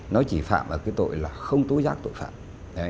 nó chỉ phạm ở cái tội là không tố giác tội phạm